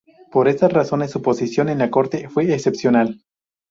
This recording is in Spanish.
Por estas razones, su posición en la corte fue excepcional.